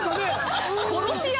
殺し屋？